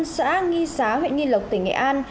xã nghi xá huyện nghi lộc tỉnh nghệ an